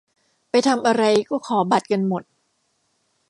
ไปทำอะไรก็ขอบัตรกันหมด